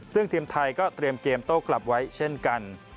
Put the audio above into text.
ซึ่งทีมไทยก็เตรียมเกมโต้กลับไว้เช่นกัน